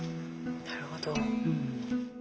なるほど。